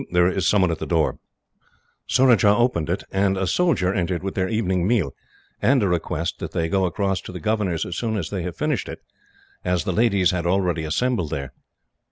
"There is someone at the door." Surajah opened it, and a soldier entered with their evening meal, and a request that they would go across to the governor's as soon as they had finished it, as the ladies had already assembled there.